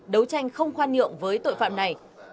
đối tranh không khoan nhượng với tội phạm này